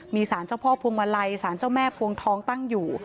มีสารเจ้าพ่อพวงมาลัยสารเจ้าแม่พวงทองตั้งอยู่